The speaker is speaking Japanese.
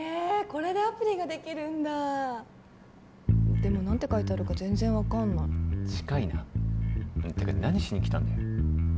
これでアプリができるんだでも何て書いてあるか全然分かんない近いなてか何しに来たんだよ